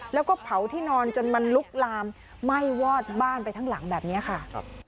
แล้วก็เผาที่นอนจนมันลุกลามไหม้วอดบ้านไปทั้งหลังแบบนี้ค่ะ